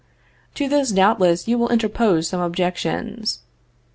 To this, doubtless you will interpose some objections.